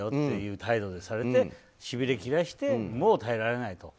態度にされてしびれ切らしてもう耐えられないと。